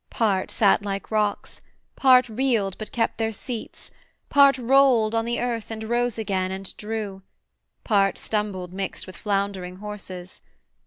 Part sat like rocks: part reeled but kept their seats: Part rolled on the earth and rose again and drew: Part stumbled mixt with floundering horses.